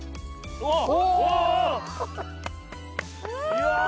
うわ！